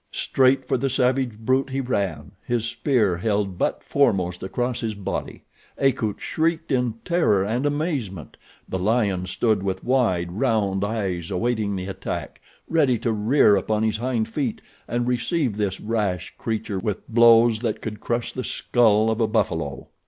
Straight for the savage brute he ran, his spear held butt foremost across his body. Akut shrieked in terror and amazement. The lion stood with wide, round eyes awaiting the attack, ready to rear upon his hind feet and receive this rash creature with blows that could crush the skull of a buffalo.